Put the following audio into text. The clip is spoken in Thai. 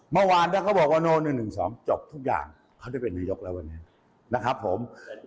เมื่อวานถ้าเขาบอกว่าโน้น๑๑๒จบทุกอย่างเขาได้เป็นนายกแล้ววันนี้นะครับผม